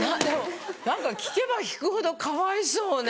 何か聞けば聞くほどかわいそうね。